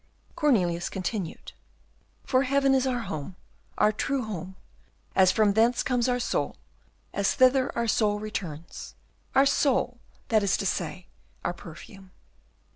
Cornelius continued: "For heaven is our home, Our true home, as from thence comes our soul, As thither our soul returns, Our soul, that is to say, our perfume."